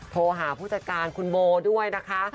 โทรหาผู้จัดการคุณโบด้วยนะคะ